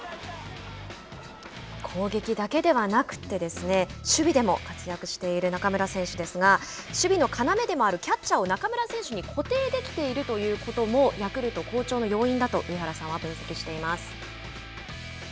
攻撃だけではなくて守備でも活躍している中村選手ですが守備の要でもあるキャッチャーを中村選手に固定できているということもヤクルト好調の要因だと上原さんは分析しています。